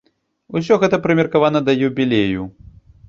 Усё гэта прымеркавана да юбілею.